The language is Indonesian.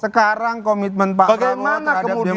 sekarang komitmen pak prabowo terhadap demokrasi itu tinggi